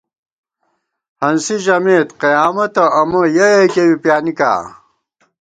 ہنسی ژَمېت قیامَتہ امہ یَہ یَکِیہ بی پیانِکا